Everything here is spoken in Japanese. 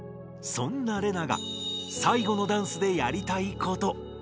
そんなレナが最後のダンスでやりたいこと。